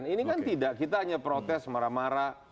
ini kan tidak kita hanya protes marah marah